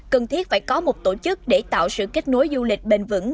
cần thiết phải có một tổ chức để tạo sự kết nối du lịch bền vững